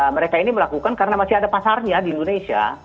mereka ini melakukan karena masih ada pasarnya di indonesia